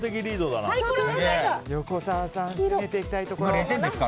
横澤さん、攻めていきたい。